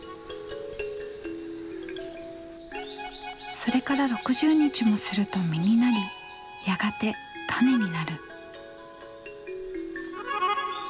それから６０日もすると実になりやがて種になる。